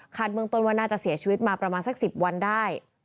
เมืองต้นว่าน่าจะเสียชีวิตมาประมาณสัก๑๐วันได้